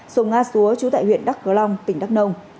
sùng a xúa chú tại huyện đắk cờ long tỉnh đắk nông